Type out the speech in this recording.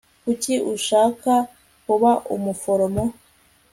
kuki ushaka kuba umuforomo